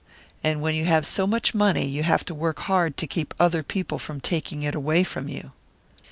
And when you have so much money, you have to work hard to keep other people from taking it away from you."